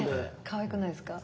かわいくないですか？